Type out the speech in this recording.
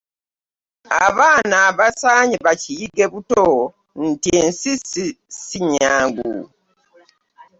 Abaana basaanye bakiyige buto nti ensi si nnyangu.